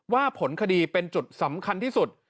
ผลคดีเป็นจุดสำคัญที่สุด